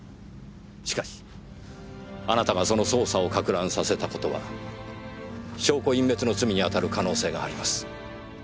しかしあなたがその捜査をかく乱させた事は証拠隠滅の罪にあたる可能性があります。